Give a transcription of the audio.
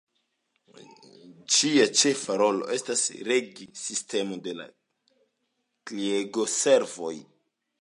Ĝia ĉefa rolo estas regi sistemon de klingo-serviloj.